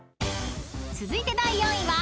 ［続いて第４位は？］